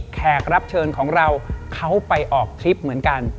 แขกรับเชิญของเราเขาไปออกทริปเหมือนกัน